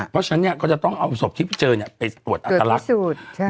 เพราะฉะนั้นเนี่ยก็จะต้องเอาศพที่เจอเนี่ยไปตรวจอัตลักษณ์ตรวจที่สุดใช่